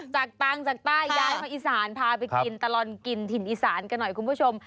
ตังค์จากใต้ย้ายมาอีสานพาไปกินตลอดกินถิ่นอีสานกันหน่อยคุณผู้ชม